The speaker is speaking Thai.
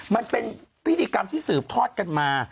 มันเป็นพิธีกรรมที่สืบทอดกันมา